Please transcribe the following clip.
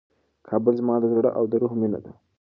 کابل زما د زړه او د روح مېنه ده.